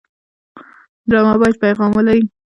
ډرامه باید پیغام ولري